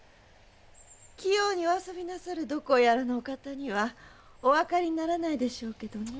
器用にお遊びなさるどこやらのお方にはお分かりならないでしょうけどね。